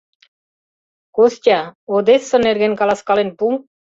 — Костя, Одесса нерген каласкален пу.